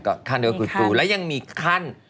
ก็คั่นด้วยและยังมีขั้น